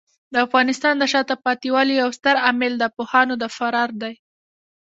د افغانستان د شاته پاتې والي یو ستر عامل د پوهانو د فرار دی.